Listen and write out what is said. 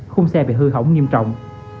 khung xe bị hư hỏng nghiêm trọng